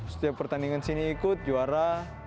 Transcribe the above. setiap pertandingan sini ikut juara